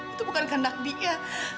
itu bukan kendak dia